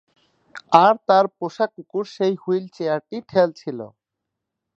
আর তাঁর পোষা কুকুর সেই হুইলচেয়ারটি ঠেলছিল।